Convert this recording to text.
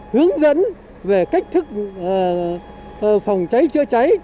hướng dẫn về cách thức phòng trái chữa trái